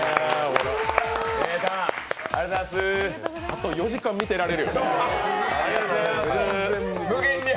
あと４時間見てられるよね。